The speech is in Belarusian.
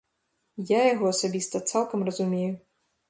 Я яго асабіста цалкам разумею.